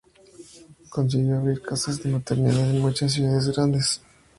Consiguió abrir casas de maternidad en muchas ciudades grandes.